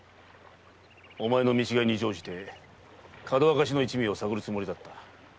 お前の見違いに乗じてかどわかしの一味を探るつもりだった。